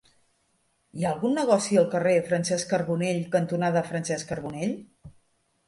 Hi ha algun negoci al carrer Francesc Carbonell cantonada Francesc Carbonell?